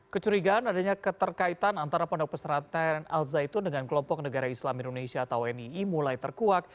kecurigaan adanya keterkaitan antara pondok pesantren al zaitun dengan kelompok negara islam indonesia atau nii mulai terkuak